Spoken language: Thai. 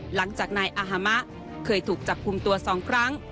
หลังจากนายอาฮามะเคยถูกจับกลุ่มตัว๒ครั้ง